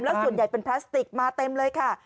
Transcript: แล้วส่วนใหญ่เป็นพลาสติกมาเต็มเลยค่ะ